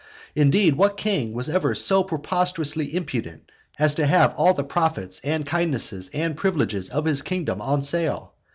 Again, what king was ever so preposterously impudent as to have all the profits, and kindnesses, and privileges of his kingdom on sale?